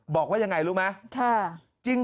บอกว่ายังไงรู้ไหม